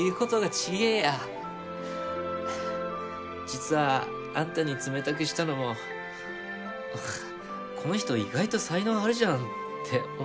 実はあんたに冷たくしたのもこの人意外と才能あるじゃんって思ったからで。